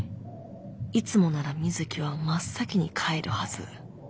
いつもなら水木は真っ先に帰るはず。